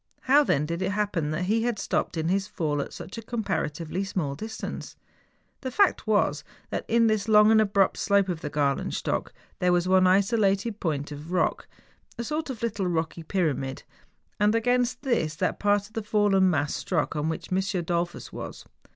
How then did it happen that he had stopped in his fall at such a comparatively small distance ? The fact was that in this long and abrupt slope of the Grailenstock there was one isolated point of rock, a sort of little rocky pyramid, and against this that part of the fallen mass struck on which M. Dollfus was.